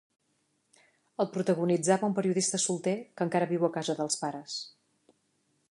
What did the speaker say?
El protagonitzava un periodista solter que encara viu a casa dels pares.